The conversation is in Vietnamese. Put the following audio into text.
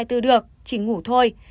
chúng tôi chỉ ngủ thôi